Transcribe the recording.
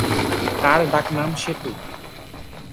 তার ডাকনাম 'সেতু'।